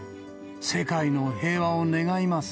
世界の平和を願います。